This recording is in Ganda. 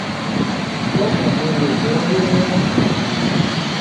Sooka ombulire gy'obeera.